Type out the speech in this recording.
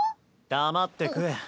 黙って食え。